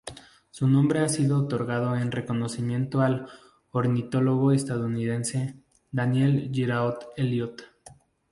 Su nombre ha sido otorgado en reconocimiento al ornitólogo estadounidense Daniel Giraud Elliot.